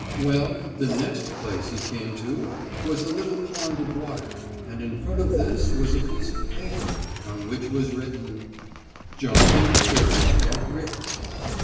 Well, the next place he came to was a little pond of water, and in front of this was a piece of paper on which was written: "JUMP IN HERE AND GET RICH."